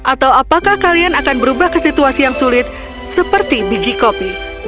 atau apakah kalian akan berubah ke situasi yang sulit seperti biji kopi